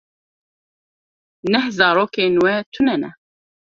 Neh zarokên we tune ne.